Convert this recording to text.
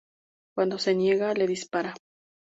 Cuando se niega, le dispara.